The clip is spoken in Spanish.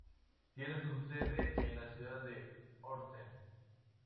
Tiene su sede en la ciudad de Horsens.